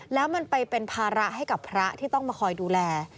แล้วมันไปเป็นภาระให้กับพระที่ต้องมาคอยดูแล